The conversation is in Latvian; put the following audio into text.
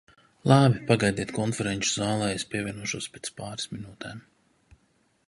Labi, pagaidiet konferenču zālē, es pievienošos pēc pāris minūtēm.